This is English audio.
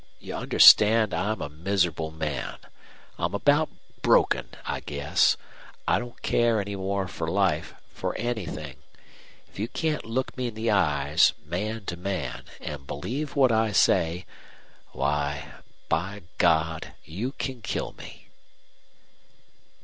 You understand I'm a miserable man. I'm about broken, I guess. I don't care any more for life, for anything. If you can't look me in the eyes, man to man, and believe what I say why, by God! you can kill me!"